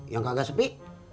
yang kagak sepi